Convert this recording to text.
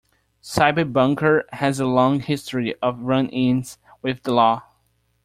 CyberBunker has a long history of run-ins with the law.